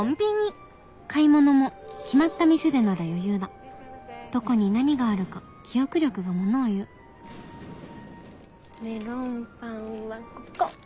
買い物も決まった店でなら余裕だどこに何があるか記憶力がものをいうメロンパンはここ。